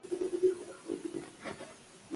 کله چې پوهاوی زیات شي، فکري ګډوډي نه پاتې کېږي.